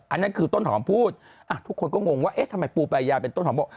อันนั้นคือต้นหอมพูดทุกคนก็งงว่าทำไมปูปัญญาเป็นต้นหอม